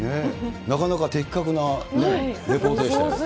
なかなか的確なレポートでしたよ。